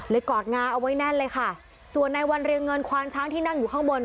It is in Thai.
กอดงาเอาไว้แน่นเลยค่ะส่วนในวันเรียงเงินควานช้างที่นั่งอยู่ข้างบน